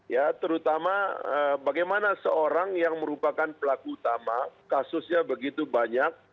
ya terutama bagaimana seorang yang merupakan pelaku utama kasusnya begitu banyak